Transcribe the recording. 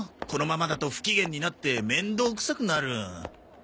このままだと不機嫌になって面倒くさくなる。